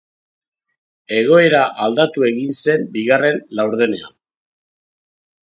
Egoera aldatu egin zen bigarren laurdenean.